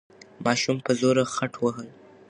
ماشوم په زوره خټ وهل.